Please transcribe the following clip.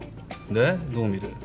でどうみる？